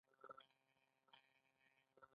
بزګر باید په مشخص وخت کې د فیوډال کار کړی وای.